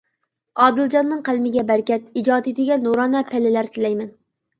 ئادىلجاننىڭ قەلىمىگە بەرىكەت، ئىجادىيىتىگە نۇرانە پەللىلەر تىلەيمەن.